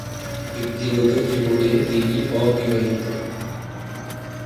ব্যক্তিগত জীবনে তিনি অবিবাহিত।